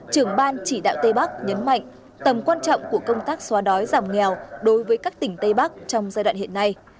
trưởng ban chỉ đạo tây bắc nhấn mạnh tầm quan trọng của công tác xóa đói giảm nghèo đối với các tỉnh tây bắc trong giai đoạn hiện nay